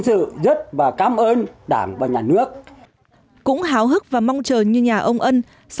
tĩnh rất cảm ơn đảng và nhà nước cũng háo hức và mong chờ như nhà ông ân